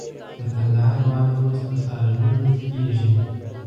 د کندهار واده اوس په سالونونو کې کېږي.